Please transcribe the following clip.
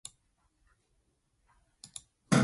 She implores him to pass a fair judgment on the Shepherd.